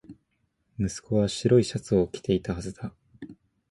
息子は白いシャツを着ていたはずだ